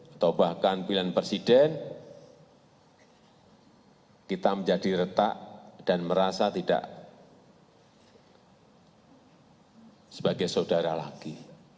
atau bahkan pilihan presiden kita menjadi retak dan merasa tidak sebagai saudara lagi